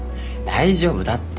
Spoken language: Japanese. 大丈夫だって。